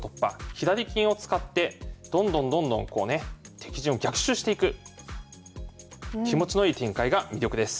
左金を使ってどんどんどんどんこうね敵陣を逆襲していく気持ちのいい展開が魅力です。